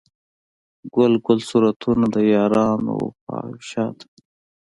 ګل ګل صورتونه، د یارانو و خواو شاته